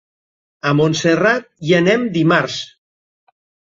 A Montserrat hi anem dimarts.